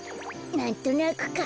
なんとなくか。